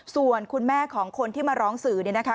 ส่วนคุณแม่ของคนที่มาร้องสื่อเนี่ยนะคะ